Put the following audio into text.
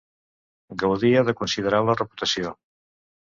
Gaudia de considerable reputació.